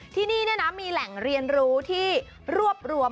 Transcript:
ที่นี่มีแหล่งเรียนรู้ที่รวบรวม